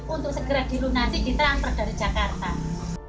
untuk segera dilunasi di tramper dari jakarta